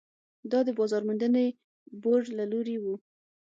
دا د بازار موندنې بورډ له لوري وو.